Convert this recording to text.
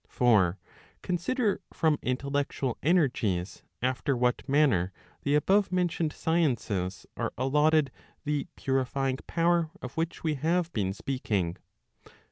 For consider from intellectual energies after what manner the above mentioned sciences are allotted the purifying power of which we have been speaking.